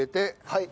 はい。